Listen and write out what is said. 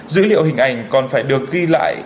dữ liệu hình ảnh còn phải được ghi lại